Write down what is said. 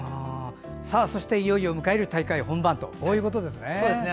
そしていよいよ迎える大会本番ということですね。